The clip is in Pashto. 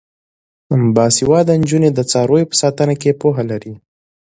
باسواده نجونې د څارویو په ساتنه کې پوهه لري.